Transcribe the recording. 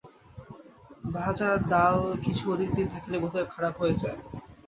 ভাজা দাল কিছু অধিক দিন থাকিলে বোধ হয় খারাপ হয়ে যায়।